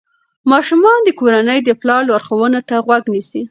ماشومان د کورنۍ د پلار لارښوونو ته غوږ نیسي.